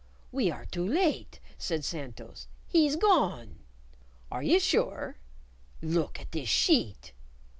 "We are too late!" said Santos. "He's gone!" "Are you sure "Look at this sheet."